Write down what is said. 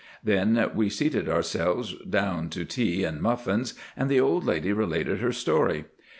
Then we seated ourselves down to tea and muffins, and the old lady related her story.